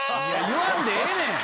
言わんでええねん！